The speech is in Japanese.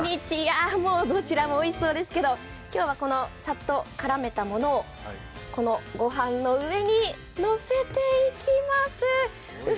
どちらもおいしそうですけど、今日はさっと絡めたものをご飯のうえにのせていきます。